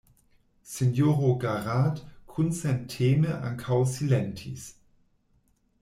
Sinjoro Garrat kunsenteme ankaŭ silentis.